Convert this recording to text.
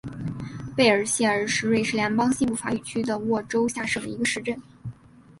贝尔谢尔是瑞士联邦西部法语区的沃州下设的一个市镇。